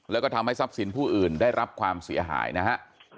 แล้วก็ทำให้ทรัพย์สินผู้อื่นได้รับความเสียหายนะฮะ